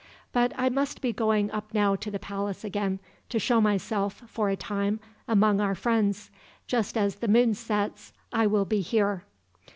But I must be going up now to the palace again, to show myself, for a time, among our friends. Just as the moon sets I will be here."